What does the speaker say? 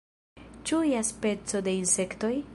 Ĉu ia speco de insektoj?